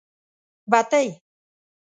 بتۍ.